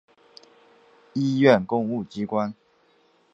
医院公务机关